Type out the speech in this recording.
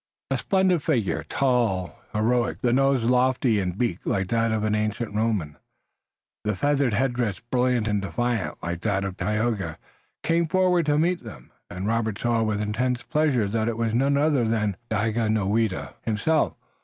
A splendid figure, tall, heroic, the nose lofty and beaked like that of an ancient Roman, the feather headdress brilliant and defiant like that of Tayoga, came forward to meet them, and Robert saw with intense pleasure that it was none other than Daganoweda himself.